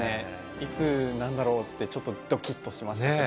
いつなんだろうって、ちょっと、どきっとしましたけど。